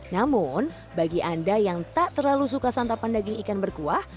namun bagi anda yang tak terlalu suka santapan daging ikan berkuah